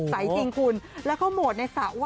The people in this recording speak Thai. ใสจริงคุณแล้วเขาโหมดในสระว่า